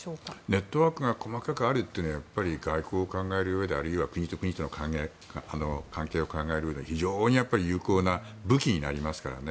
ネットワークが細かくあるというのは外交を考えるうえで、あるいは国と国の関係を考えるうえで非常に有効な武器になりますからね。